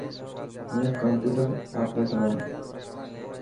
هون ڪمپيوٽر آپريٽر آن.